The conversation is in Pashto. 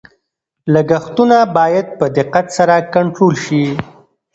لګښتونه باید په دقت سره کنټرول شي.